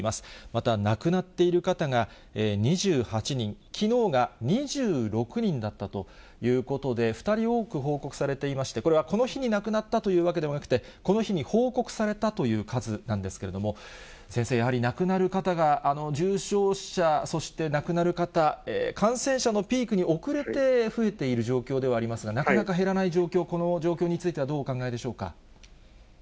また、亡くなっている方が２８人、きのうが２６人だったということで、２人多く報告されていまして、これはこの日に亡くなったというわけではなくて、この日に報告されたという数なんですけれども、先生、やはり亡くなる方が重症者そして亡くなる方、感染者のピークに遅れて増えている状況ではありますが、なかなか減らない状況、この状況についてはどうお考えでしょうか。